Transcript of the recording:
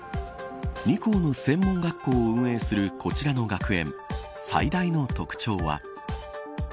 ２校の専門学校を運営するこちらの学園最大の特徴は。